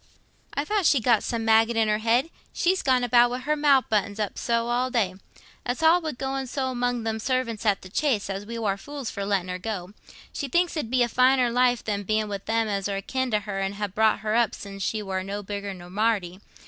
"I thought she'd got some maggot in her head, she's gone about wi' her mouth buttoned up so all day. It's all wi' going so among them servants at the Chase, as we war fools for letting her. She thinks it 'ud be a finer life than being wi' them as are akin to her and ha' brought her up sin' she war no bigger nor Marty.